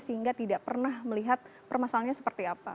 sehingga tidak pernah melihat permasalahannya seperti apa